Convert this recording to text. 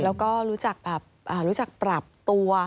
แล้วก็รู้จักปรับตัว